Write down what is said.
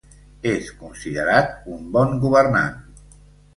És considerat un bon governant.